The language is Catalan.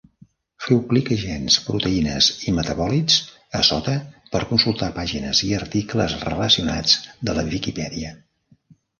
Feu clic a gens, proteïnes i metabòlits a sota per consultar pàgines i articles relacionats de la Viquipèdia.